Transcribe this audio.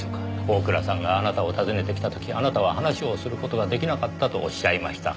大倉さんがあなたを訪ねてきた時あなたは話をする事が出来なかったとおっしゃいました。